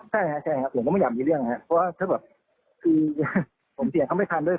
ใช่ฮะใช่ฮะผมก็ไม่อยากมีเรื่องแหละเพราะว่าเขาแบบคือผมเสียงเขาไม่ทันด้วย